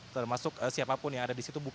termasuk siapapun yang ada disitu